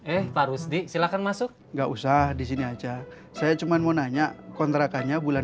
eh pak rusdi silakan masuk nggak usah disini aja saya cuma mau nanya kontrakannya bulan